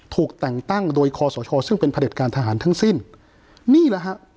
ถูกแต่งตั้งโดยคอสชซึ่งเป็นผลิตการทหารทั้งสิ้นนี่แหละฮะ